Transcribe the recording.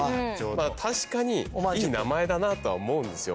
確かにいい名前だなとは思うんです。